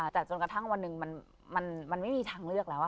แต่จนกระทั่งวันหนึ่งมันไม่มีทางเลือกแล้ว